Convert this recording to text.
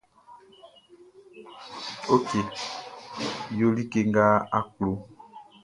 Ok yo like nʼga a klo.